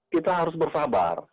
kita harus bersabar